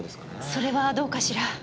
それはどうかしら。